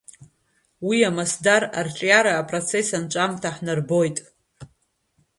Уи амасдар арҿиара апроцесс анҵәамҭа ҳнарбоит.